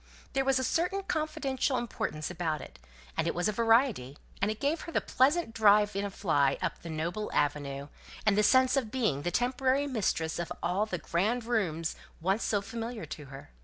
There was a certain confidential importance about it, and it was a variety, and it gave her the pleasant drive in a fly up the noble avenue, and the sense of being the temporary mistress of all the grand rooms once so familiar to her.